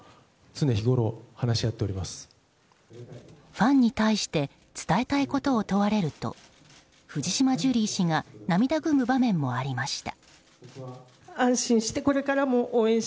ファンに対して伝えたいことを問われると藤島ジュリー氏が涙ぐむ場面もありました。